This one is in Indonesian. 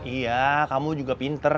iya kamu juga pinter